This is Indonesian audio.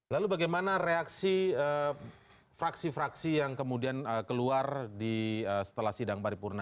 lalu bagaimana reaksi fraksi fraksi yang kemudian keluar setelah sidang paripurna